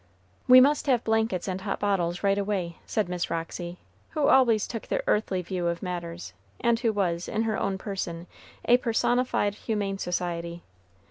"We must have blankets and hot bottles, right away," said Miss Roxy, who always took the earthly view of matters, and who was, in her own person, a personified humane society.